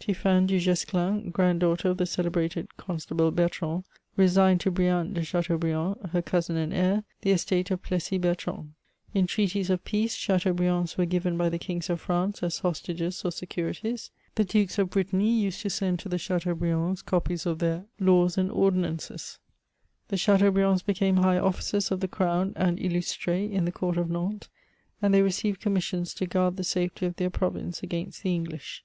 Tiphaine du Guesdin, grand daughter of the celebrated Con stable Bertrand, resigned to Brien de Chateaubriand, her cousin and heir, the estate of Plessis Bertrand. In treaties of peace, Chateaubriands were given by the Kings of France as hostages or securities. The Dukes of Brittany us^d to send to the Chateaubriands copies of their laws and ordi CHATEAUBRIAND. 45 nances. The Chateaubriands became high officers of the crown, and illustr^s in the Court of Nantes ; and they received commissions to guard the safety of their province against the English.